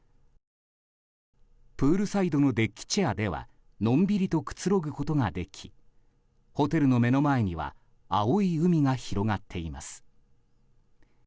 プールサイドのデッキチェアではのんびりとくつろぐことができホテルの目の前には青い海が広がっています。